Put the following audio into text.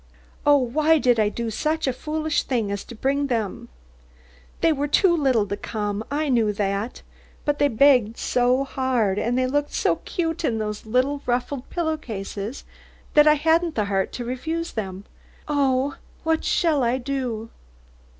Oh, why did I do such a foolish thing as to bring them? They were too little to come, I knew that. But they begged so hard, and they looked so cute in those little ruffled pillow cases, that I hadn't the heart to refuse. Oh, what shall I do?"